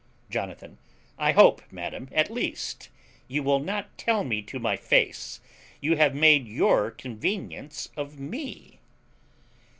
Jonathan. I hope, madam, at least, you will not tell me to my face you have made your convenience of me.